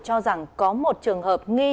cho rằng có một trường hợp nghi